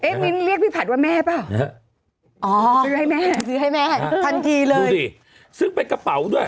เอ๊ะนี่เรียกพี่ผัดว่าแม่เปล่าซื้อให้แม่ทันทีเลยซื้อเป็นกระเป๋าด้วย